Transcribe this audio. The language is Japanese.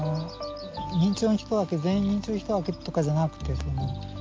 認知症の人だけ全員認知症の人だけとかじゃなくてですね